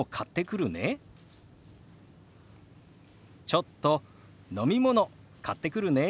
「ちょっと飲み物買ってくるね」。